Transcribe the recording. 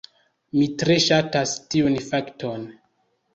Mi tre ŝatas tiun fakton.